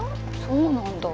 そうなんだ。